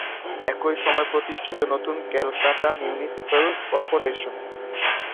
এই সময়ই প্রতিষ্ঠিত নতুন ‘ক্যালকাটা মিউনিসিপ্যাল কর্পোরেশন’।